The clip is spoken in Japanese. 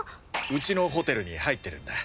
うちのホテルに入ってるんだ。